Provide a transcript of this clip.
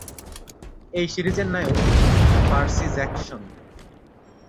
এই সিরিজের নায়ক পার্সি জ্যাকসন।